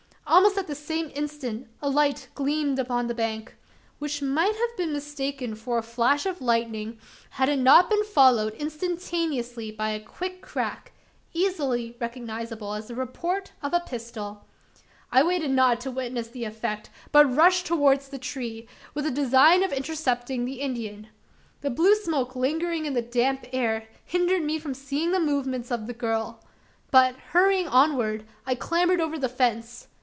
Almost at the same instant a light gleamed along the bank which might have been mistaken for a flash of lightning, had it not been followed instantaneously by a quick crack easily recognisable as the report of a pistol! I waited not to witness the effect; but rushed towards the tree with the design of intercepting the Indian. The blue smoke lingering in the damp air, hindered me from seeing the movements of the girl; but, hurrying onward, I clambered over the fence.